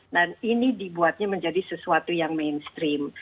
dan ini dibuatnya menjadi sesuatu yang mainstream